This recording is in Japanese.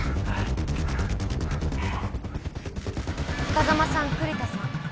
風真さん栗田さん。